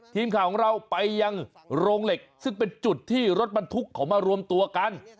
ทีมข่าวของเราไปยังโรงเหล็กซึ่งเป็นจุดที่รถบรรทุกเขามารวมตัวกัน